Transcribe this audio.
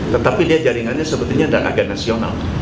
tetapi dia jaringannya sepertinya agen nasional